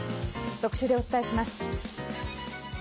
特集でお伝えします。